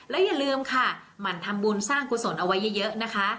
อย่าลืมค่ะหมั่นทำบุญสร้างกุศลเอาไว้เยอะนะคะ